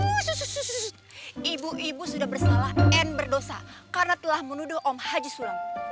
busuuus ibu ibu sudah bersalah dan berdosa karena telah menuduh om haji sulam